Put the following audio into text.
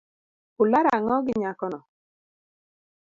Ularo ang'o gi nyakono?